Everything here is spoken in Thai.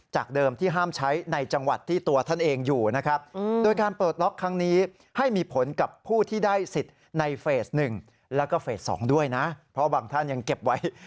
จากเดิมที่ห้ามใช้ในจังหวัดที่ตัวท่านเองอยู่นะครับ